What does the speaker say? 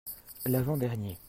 L'avant-dernier